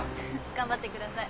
頑張ってください。